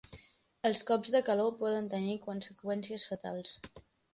Els cops de calor poden tenir conseqüències fatals.